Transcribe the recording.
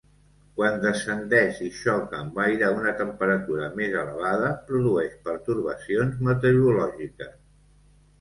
Quan descendeix i xoca amb aire a una temperatura més elevada produeix pertorbacions meteorològiques.